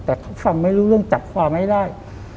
แต่เขาฟังไม่รู้เรื่องจับความไม่ได้